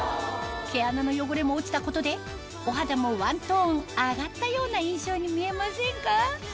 毛穴の汚れも落ちたことでお肌もワントーン上がったような印象に見えませんか？